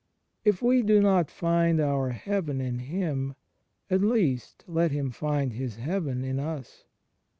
If we do not find our Heaven in Him, at least let Him find His Heaven in us.